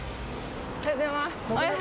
おはようございます。